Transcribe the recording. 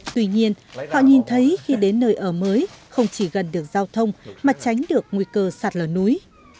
tuy nhiên họ nhìn thấy khi đến nơi ở mới không chỉ gần được giao thông mà tránh được nguy cơ sạt lở núi